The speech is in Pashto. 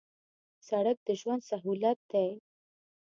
سړک د ژوند سهولت دی